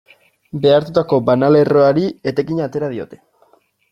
Behartutako banalerroari etekina atera diote.